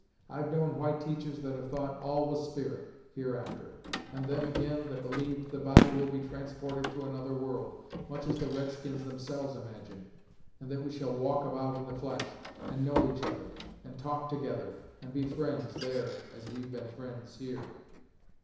I've known white teachers that have thought all was spirit, hereafter, and them, ag'in, that believed the body will be transported to another world, much as the red skins themselves imagine, and that we shall walk about in the flesh, and know each other, and talk together, and be fri'nds there as we've been fri'nds here."